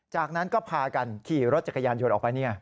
จากนั้นก็พากันขี่รถจักรยานยนต์ออกไป